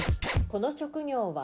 この職業は？